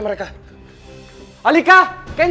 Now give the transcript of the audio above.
maka kita dikabulin kak sama om reno